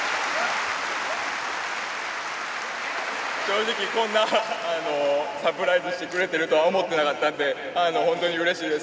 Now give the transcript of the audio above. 正直こんなサプライズしてくれてるとは思ってなかったんで本当にうれしいです。